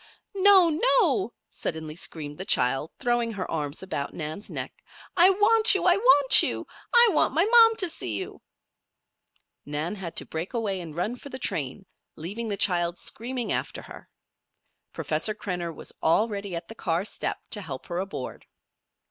"No! no!" suddenly screamed the child, throwing her arms about Nan's neck. "I want you! I want you! I want my mom to see you!" Nan had to break away and run for the train, leaving the child screaming after her. Professor Krenner was already at the car step to help her aboard.